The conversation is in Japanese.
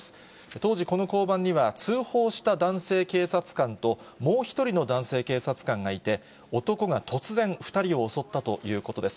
当時、この交番には通報した男性警察官ともう１人の男性警察官がいて、男が突然、２人を襲ったということです。